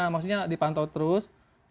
maksudnya dipantau terus